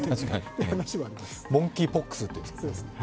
モンキーポックスってやつですね。